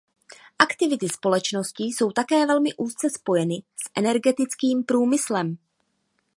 Aktivity společnosti jsou také velmi úzce spojeny s energetickým průmyslem.